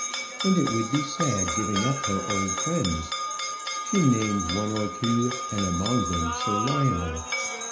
And it would be sad giving up her old friends. She named one or two, and among them Sir Lionel.